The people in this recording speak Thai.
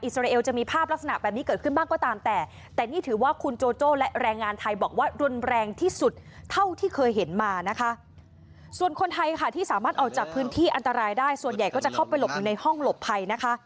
ส่วนคนไทยค่ะที่สามารถออกจากพื้นที่อันตรายได้ส่วนใหญ่ก็จะเข้าไปหลบอยู่ในห้องหลบภัยนะคะ